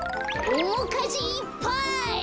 おもかじいっぱい！